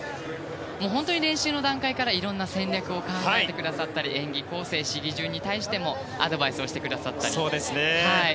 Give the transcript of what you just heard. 本当に練習の段階からいろんな戦略を考えてくださったり演技構成、試技順に対してもアドバイスをしてくださったり。